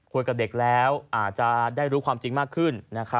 คุยกับเด็กแล้วอาจจะได้รู้ความจริงมากขึ้น